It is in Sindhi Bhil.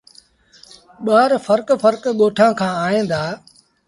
ٻآر ڦرڪ ڦرڪ ڳوٺآݩ کآݩ ائيٚݩ دآ۔